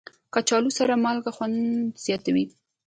کچالو سره مالګه خوند زیاتوي